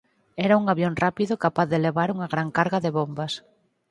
Era un avión rápido capaz de levar unha gran carga de bombas.